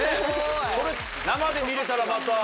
それ生で見れたらまた。